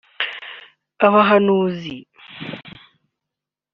abahanuzi